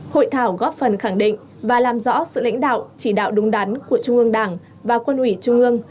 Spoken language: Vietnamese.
hội thảo góp phần khẳng định và làm rõ sự lãnh đạo chỉ đạo đúng đắn của trung ương đảng và quân ủy trung ương